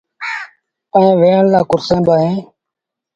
ائيٚݩ ويهڻ لآ ڪرسيٚݩ با اوهيݩ۔